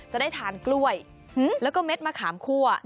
จะได้ทานกล้วยแล้วก็เม็ดมะขามคั่ว